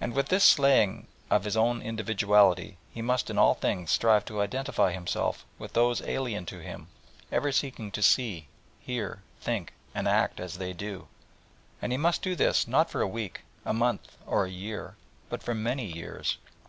And with this slaying of his own individuality he must in all things strive to identify himself with those alien to him, ever seeking to see, hear, think, and act as they do. And he must do this not for a week, a month, or a year, but for many years.